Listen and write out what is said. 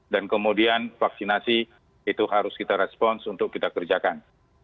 dan kemudian vaksinasi itu harus kita respons untuk kita kerjakan